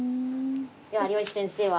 では有吉先生は。